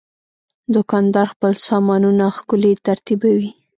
دوکاندار خپل سامانونه ښکلي ترتیبوي.